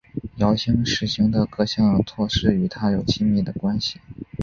姚兴实行的各项措施与他有密切的关系。